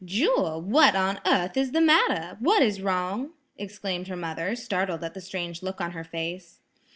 "Jewel, what on earth is the matter? What is wrong?" exclaimed her mother, startled at the strange look on her face.